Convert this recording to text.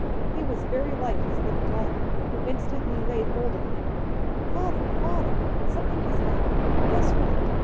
He was very like his little daughter, who instantly laid hold of him. "Father, father! something has happened. Guess what.